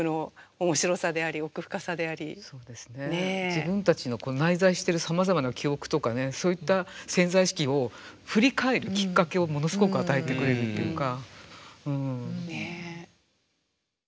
自分たちの内在してるさまざまな記憶とかねそういった潜在意識を振り返るきっかけをものすごく与えてくれるっていうか。